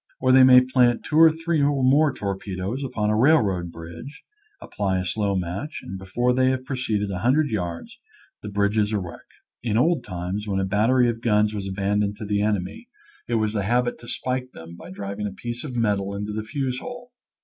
Or they may plant two or three or more torpedoes upon a rail road bridge, apply a slow match, and before they have proceeded a hundred yards the bridge is a wreck. In old times, when a bat tery of guns was abandoned to the enemy, it / I . Original from UNIVERSITY OF WISCONSIN tiflb Explosive*. 237 was the habit to spike them by driving a piece of metal into the fuse hole.